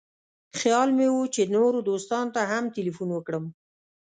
خیال مې و چې نورو دوستانو ته هم تیلفون وکړم.